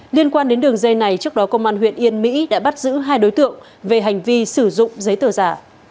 liên quan đến đường dây này trước đó công an huyện yên mỹ đã bắt giữ hai đối tượng về hành vi sử dụng giấy tờ giả